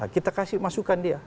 kita kasih masukan dia